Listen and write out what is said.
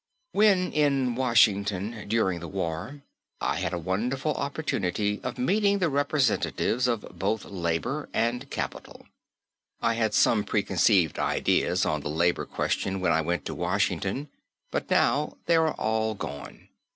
When in Washington, during the war, I had a wonderful opportunity of meeting the representatives of both labour and capital. I had some preconceived ideas on the labour question when I went to Washington; but now they are all gone.